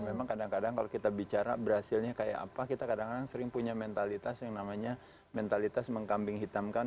memang kadang kadang kalau kita bicara berhasilnya kayak apa kita kadang kadang sering punya mentalitas yang namanya mentalitas mengkambing hitamkan